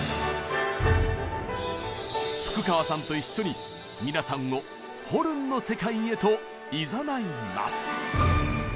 福川さんと一緒に皆さんをホルンの世界へといざないます！